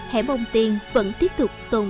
hẻm ông tiên vẫn tiếp tục tồn